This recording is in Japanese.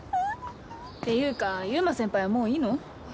っていうか優馬先輩はもういいの？